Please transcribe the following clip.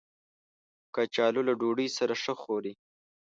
کچالو له ډوډۍ سره ښه خوري